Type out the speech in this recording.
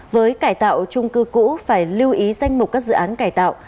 với cải tạo trung cư cũ phải lưu ý danh mục các dự án cải tạo